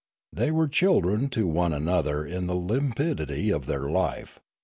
They were children to one another in the limpidity of their life.